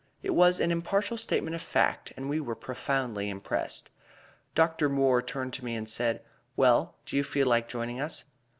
It was an impartial statement of fact, and we were profoundly impressed. Dr. Moore turned to me and said: "Well, do you feel like joining us?"